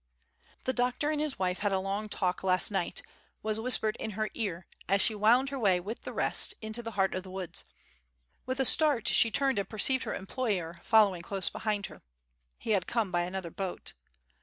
"The doctor and his wife had a long talk last night," was whispered in her ear as she wound her way with the rest into the heart of the woods. With a start she turned and perceived her employer following close behind her. He had come by another boat.